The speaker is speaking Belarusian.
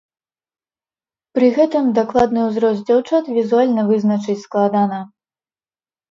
Пры гэтым дакладны ўзрост дзяўчат візуальна вызначыць складана.